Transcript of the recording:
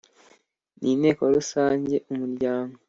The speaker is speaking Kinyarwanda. n inteko rusange Umuryango